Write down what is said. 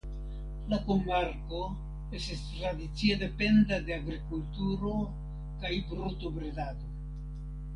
La komarko estis tradicie dependa de agrikulturo kaj brutobredado.